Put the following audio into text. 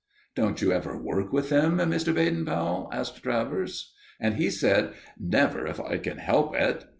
"Don't you ever work with them, Mr. Baden Powell?" asked Travers; and he said: "Never, if I can help it."